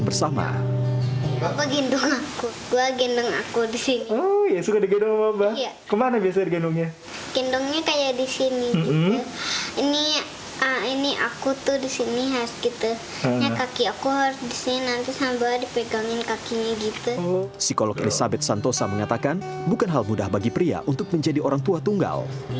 psikolog elizabeth santosa mengatakan bukan hal mudah bagi pria untuk menjadi orang tua tunggal